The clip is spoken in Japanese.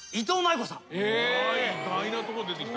意外なとこ出てきた。